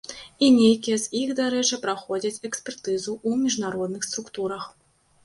І нейкія з іх, дарэчы, праходзяць экспертызу ў міжнародных структурах.